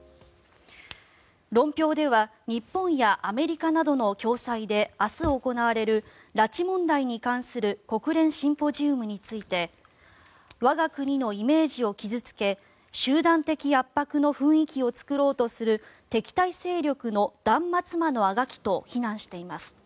論評では日本やアメリカなどの共催で明日行われる拉致問題に関する国連シンポジウムについて我が国のイメージを傷付け集団的圧迫の雰囲気を作ろうとする敵対勢力の断末魔のあがきと非難しています。